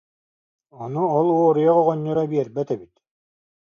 Ону ол уоруйах оҕонньоро биэрбэт эбит